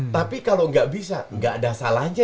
tapi kalau nggak bisa nggak ada salahnya